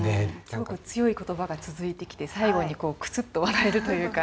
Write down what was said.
すごく強い言葉が続いてきて最後にクスッと笑えるというか。